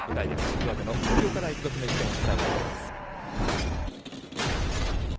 岩手の盛岡大付属の一戦をお伝えしていきます。